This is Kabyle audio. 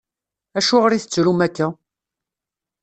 Acuɣer i tettrum akka?